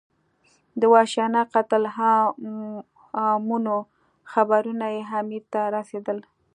د وحشیانه قتل عامونو خبرونه یې امیر ته رسېدل.